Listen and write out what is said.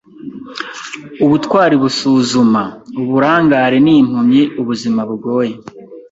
Ubutwari busuzuma; uburangare ni impumyi. Ubuzima bugoye.